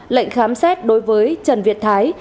lệnh khám xét đối với trần việt thái